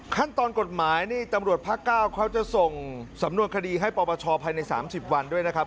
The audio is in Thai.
ขั้นตอนกฎหมายนี่ตำรวจภาค๙เขาจะส่งสำนวนคดีให้ปปชภายใน๓๐วันด้วยนะครับ